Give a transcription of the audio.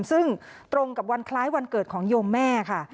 ซึ่งตรงกับวันคล้ายวันเกิดของโยมแม่ค่ะ